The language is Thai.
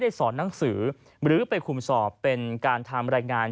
สอนหนังสือหรือไปคุมสอบเป็นการทำรายงาน